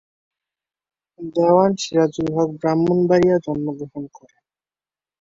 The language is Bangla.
দেওয়ান সিরাজুল হক ব্রাহ্মণবাড়িয়া জন্মগ্রহণ করেন।